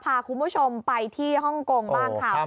พาคุณผู้ชมไปที่ฮ่องกงบ้างค่ะ